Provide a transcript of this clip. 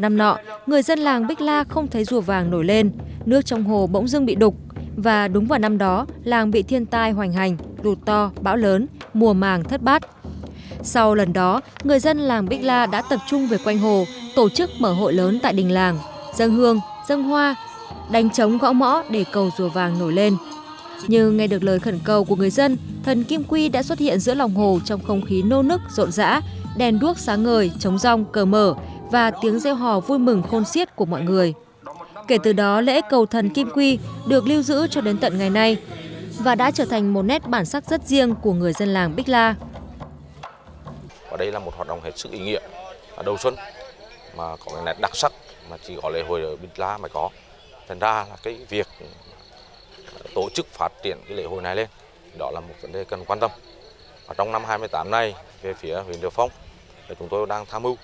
trong năm hai mươi tám nay về phía huyện điều phong chúng tôi đang tham mưu để xây dựng hoàn thiện đề án phát triển lễ hội trịnh bích la gần với phát triển du lịch tại địa phương